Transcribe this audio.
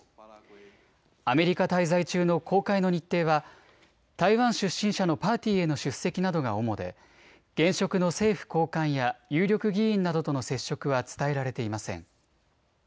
アメリカ滞在中の公開の日程は台湾出身者のパーティーへの出席などが主で、現職の政府高官や有力議員などとの接触は伝えられていません。